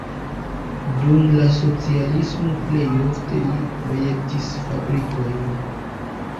Dum la socialismo plej ofte li projektis fabrikojn.